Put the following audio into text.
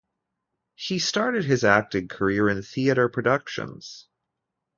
He started his acting career in theater productions.